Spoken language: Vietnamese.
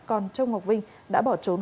còn châu ngọc vinh đã bỏ trốn